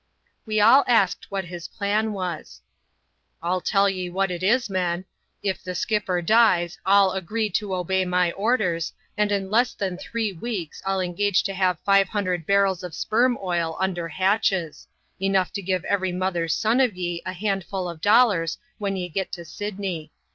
We all asked what his plan was. " rU tell ye what it is, men. If the skipper dies, all agre< to obey my orders, and in less than three weeks I'll engage U have five hundred barrels of sperm oil under hatches : enougl to give every mother's son of ye a handful of dollars when w( CHAP, xni.